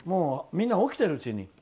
みんなが起きてるうちに。